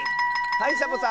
はいサボさん。